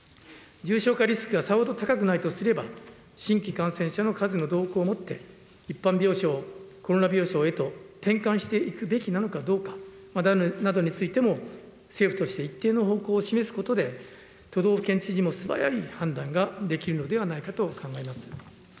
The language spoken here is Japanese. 重症化リスクがさほど高くないとすれば、新規感染者の数の動向をもって、一般病床をコロナ病床へと転換していくべきなのかどうかなどについても、政府として一定の方向を示すことで、都道府県知事も素早い判断ができるのではないかと考えます。